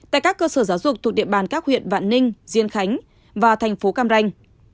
tại các cơ sở giáo dục thuộc địa bàn các huyện vạn ninh diên khánh và thành phố cam ranh